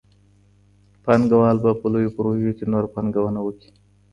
پانګوال به په لويو پروژو کي نوره پانګونه وکړي.